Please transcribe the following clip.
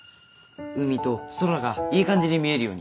海と空がいい感じに見えるように。